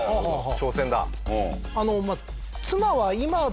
挑戦だ。